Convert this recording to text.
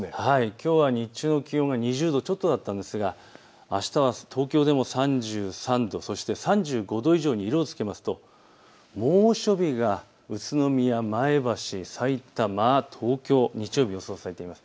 きょうは日中の気温が２０度ちょっとだったんですがあしたは東京でも３３度、そして３５度以上に色をつけますと猛暑日が宇都宮、前橋、さいたま、東京、日曜日、予想されています。